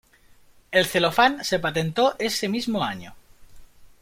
El celofán se patentó ese mismo año.